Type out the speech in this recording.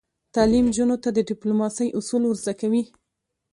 تعلیم نجونو ته د ډیپلوماسۍ اصول ور زده کوي.